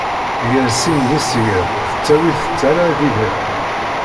Gar sin n yisegra tettawi tettara adida.